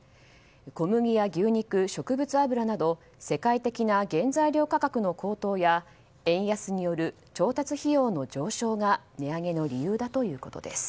小麦や牛肉、植物油など世界的な原材料価格の高騰や円安による調達費用の上昇が値上げの理由だということです。